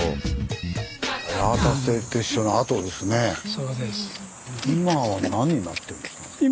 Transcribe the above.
そうです。